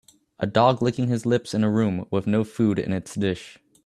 A dog licking his lips in a room with no food in its dish